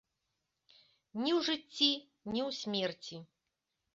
Ні ў жыцці, ні ў смерці.